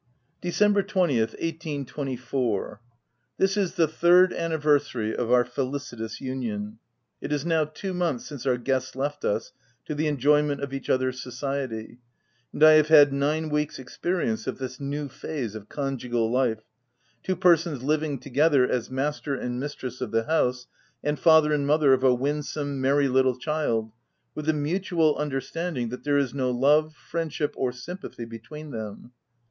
December 20th, 1824. — This is the third anniversary of our felicitous union. It is now two months since our guests left us to the en joyment of each other's society ; and I have had nine weeks 5 experience of this new phase of conjugal life — two persons living together, as master and mistress of the house, and father and mother of a winsome, merry little child, with the mutual understanding that there is no love, friendship, or sympathy between them.